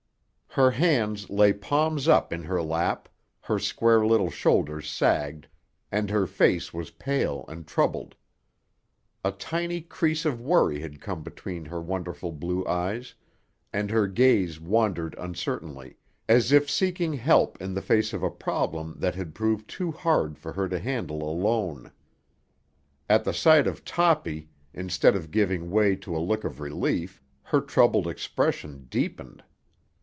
Her hands lay palms up in her lap, her square little shoulders sagged, and her face was pale and troubled. A tiny crease of worry had come between her wonderful blue eyes, and her gaze wandered uncertainly, as if seeking help in the face of a problem that had proved too hard for her to handle alone. At the sight of Toppy, instead of giving way to a look of relief, her troubled expression deepened.